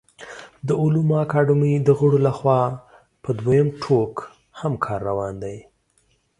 د علومو اکاډمۍ د غړو له خوا په دویم ټوک هم کار روان دی